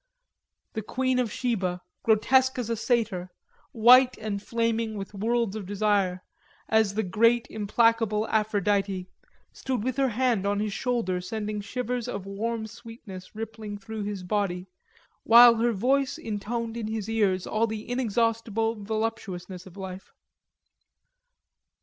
The Queen of Sheba, grotesque as a satyr, white and flaming with worlds of desire, as the great implacable Aphrodite, stood with her hand on his shoulder sending shivers of warm sweetness rippling through his body, while her voice intoned in his ears all the inexhaustible voluptuousness of life.